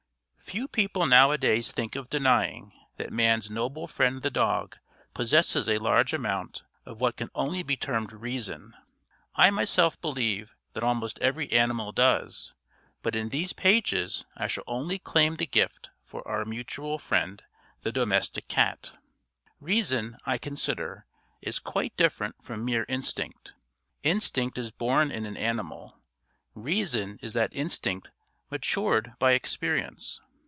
Few people now a days think of denying, that man's noble friend the dog possesses a large amount, of what can only be termed reason. I myself believe, that almost every animal does; but in these pages I shall only claim the gift for our mutual friend, the domestic cat. Reason, I consider, is quite different from mere instinct. Instinct is born in an animal; reason is that instinct matured by experience.